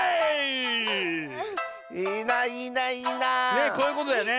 ねえこういうことだよね。